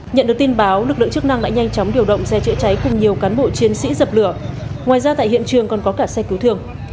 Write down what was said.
nhận được tin báo lực lượng chức năng đã nhanh chóng điều động xe chữa cháy cùng nhiều cán bộ chiến sĩ dập lửa ngoài ra tại hiện trường còn có cả xe cứu thương